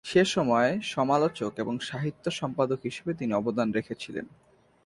সে সময়ে সমালোচক এবং সাহিত্য-সম্পাদক হিসাবেও তিনি অবদান রেখেছিলেন।